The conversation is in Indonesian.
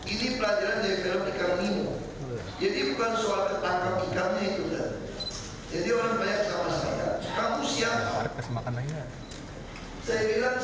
ini pelajaran saya belom ikan mimo jadi bukan soal tetangga ikannya itu jadi orang banyak sama saya kamu siapa